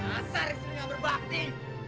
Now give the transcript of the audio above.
asal risiko berbakti